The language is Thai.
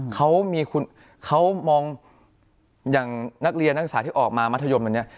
เขามองอย่างนักเรียนนักศึกษาที่ออกมามัธยมแบบนี้